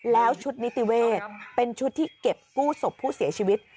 แล้วชุดนิติเวศเป็นชุดที่เก็บกู้ศพผู้เสียชีวิต